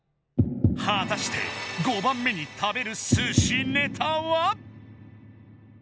はたして５番目に食べるすしネタは？